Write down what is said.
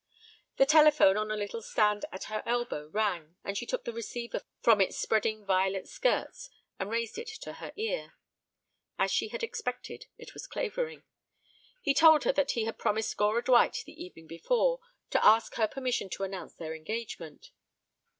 The telephone on a little stand at her elbow rang, and she took the receiver from its spreading violet skirts and raised it to her ear. As she had expected, it was Clavering. He told her that he had promised Gora Dwight the evening before to ask her permission to announce their engagement.